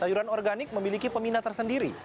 sayuran organik memiliki peminat tersendiri